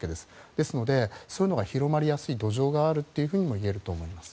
ですので、そういうのが広まりやすい土壌があるともいえると思います。